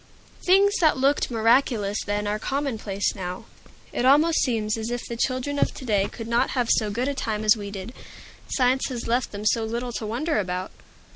Things that looked miraculous then are commonplace now. It almost seems as if the children of to day could not have so good a time as we did, science has left them so little to wonder about.